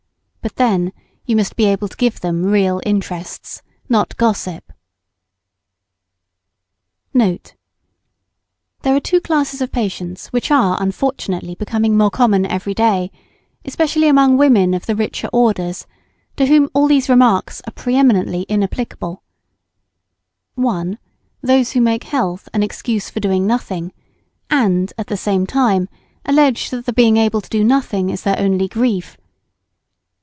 But then you must be able to give them real interests, not gossip. [Sidenote: Two new classes of patients peculiar to this generation.] NOTE. There are two classes of patients which are unfortunately becoming more common every day, especially among women of the richer orders, to whom all these remarks are pre eminently inapplicable. 1. Those who make health an excuse for doing nothing, and at the same time allege that the being able to do nothing is their only grief.